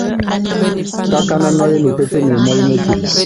Bá nabal úbin yala kabʼ á si á molóa fakalɛl, yáy ebotɔbɔ́tɔ nakʼ o.